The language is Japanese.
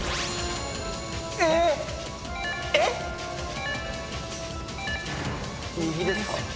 えっ⁉右ですか？